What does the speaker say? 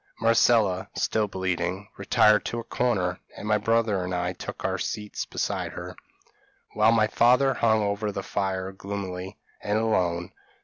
Marcella, still bleeding, retired to a corner, and my brother and I took our seats beside her, while my father hung over the fire gloomily and alone.